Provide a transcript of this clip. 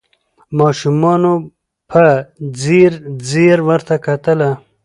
ماشومانو په ځیر ځیر ورته کتله